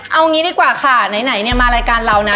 เอางี้ดีกว่าค่ะไหนเนี่ยมารายการเรานะ